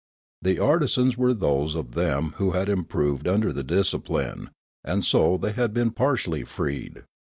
The artisans were those of them who had improved under the discipline, and so they had been partially freed.